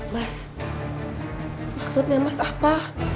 mas maksudnya mas apa